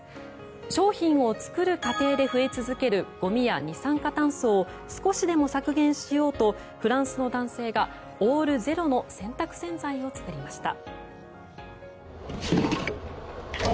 商品を作る過程で増え続けるゴミや二酸化炭素を少しでも削減しようとフランスの男性がオールゼロの洗濯洗剤を作りました。